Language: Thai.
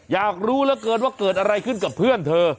อยากรู้เหลือเกินว่าเกิดอะไรขึ้นกับเพื่อนเธอ